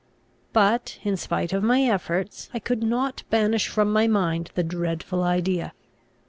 But, in spite of my efforts, I could not banish from my mind the dreadful idea.